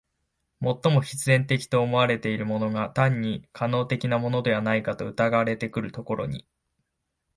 最も必然的と思われているものが単に可能的なものではないかと疑われてくるところに、